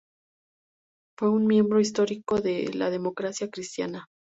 Fue un miembro histórico de la Democracia Cristiana.